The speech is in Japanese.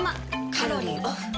カロリーオフ。